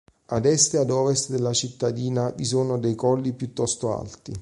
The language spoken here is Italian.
Ad est e ad ovest della cittadina vi sono dei colli piuttosto alti.